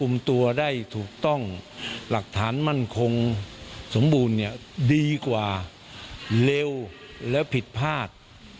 มันคงสมบูรณ์เนี่ยดีกว่าเลวแล้วผิดพลาด